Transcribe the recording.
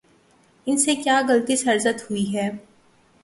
ان سے کیا غلطی سرزد ہوئی ہے؟